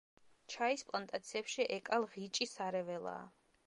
ჩაის პლანტაციებში ეკალღიჭი სარეველაა.